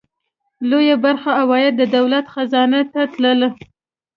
لویه برخه عواید د دولت خزانې ته تلل.